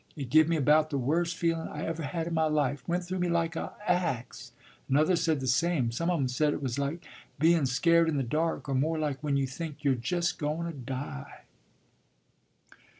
It give me about the worst feelun' I ever had in my life: went through me like a ax, and others said the same; some of 'em said it was like beun' scared in the dark, or more like when you think you're just goun' to die.